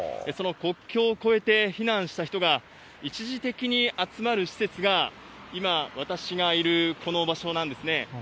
その国境を越えて避難した人が、一時的に集まる施設が今、私がいるこの場所なんですね。